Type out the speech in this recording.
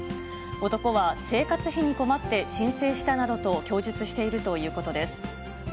男は生活費に困って申請したなどと供述しているということです。